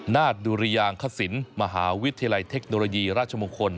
นาศดุริยางคศิลป์มหาวิทยาลัยเทคโนโลยีราชมงคล